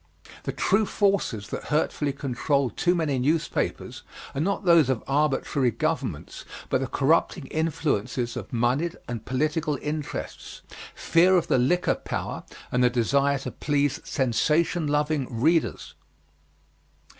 The true forces that hurtfully control too many newspapers are not those of arbitrary governments but the corrupting influences of moneyed and political interests, fear of the liquor power, and the desire to please sensation loving readers.